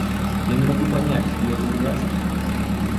Я не могу понять, и это ужасно.